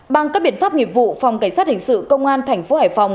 bằng các biện pháp nghiệp vụ phòng cảnh sát hình sự công an thành phố hải phòng